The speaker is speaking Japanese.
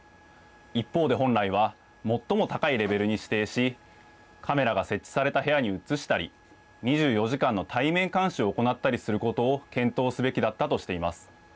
一方で本来は、最も高いレベルに指定し、カメラが設置された部屋に移したり、２４時間の対面監視を行ったりすることを検討すべきだったとしています。